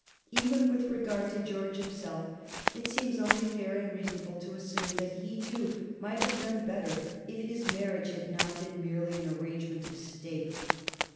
Even with regard to George himself, it seems only fair and reasonable to assume that he, too, might have done better if his marriage had not been merely an arrangement of State.